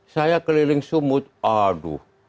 saya keliling sumut aduh